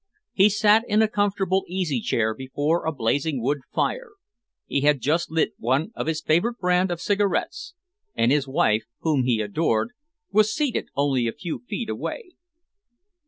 He sat in a comfortable easy chair before a blazing wood fire, he had just lit one of his favourite brand of cigarettes, and his wife, whom he adored, was seated only a few feet away.